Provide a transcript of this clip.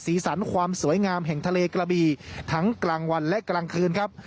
สันความสวยงามแห่งทะเลกระบีทั้งกลางวันและกลางคืนครับ